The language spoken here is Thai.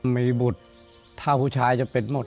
มีบุตรถ้าผู้ชายจะเป็นหมด